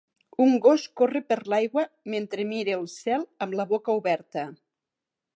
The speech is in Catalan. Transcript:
Un gos corre per l'aigua mentre mira el cel amb la boca oberta.